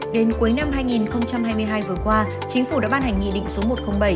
đến cuối năm hai nghìn hai mươi hai vừa qua chính phủ đã ban hành nghị định số một trăm linh bảy